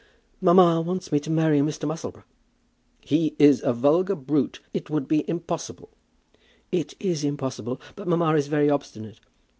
"Mamma wants me to marry Mr. Musselboro." "He is a vulgar brute. It would be impossible." "It is impossible; but mamma is very obstinate.